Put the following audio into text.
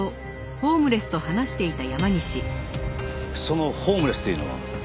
そのホームレスというのは？